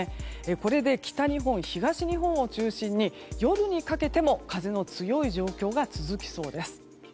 これで北日本、東日本を中心に夜にかけても風の強い状況が続きそうです。